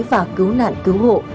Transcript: và cứu nạn cứu hộ